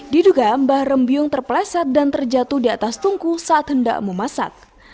diduga mbah rembyung terpleset dan terjatuh di atas tungku saat hendak memasak